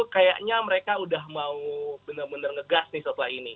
kayaknya mereka sudah mau benar benar ngegas nih setelah ini